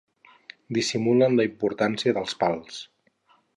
Dissimulen la importància dels pals.